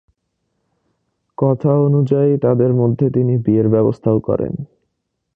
কথা অনুযায়ী তাদের মধ্যে তিনি বিয়ের ব্যবস্থাও করেন।